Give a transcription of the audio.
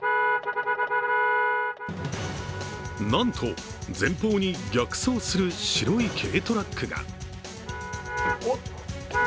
なんと前方に逆走する白い軽トラックが。